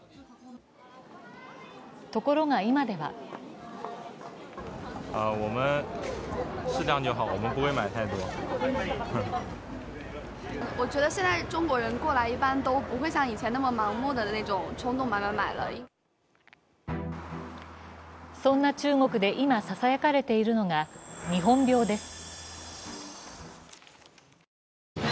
ところが今ではそんな中国で今ささやかれているのが日本病です。